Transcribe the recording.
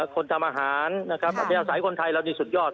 คนทำอาหารอาทิตยาลสายคนไทยเราได้สุดยอด